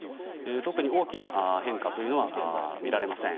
特に大きな変化というのは見られません。